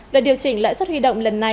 đợt điều chỉnh lãi suất huy động lần này